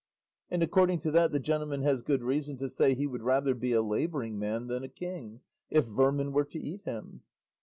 And according to that the gentleman has good reason to say he would rather be a labouring man than a king, if vermin are to eat him."